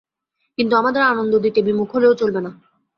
কিন্তু আমাদের আনন্দ দিতে বিমুখ হলেও চলবে না।